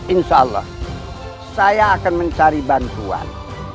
insya allah saya akan mencari bantuan